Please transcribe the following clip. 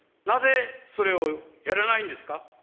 なぜそれをやらないんですか。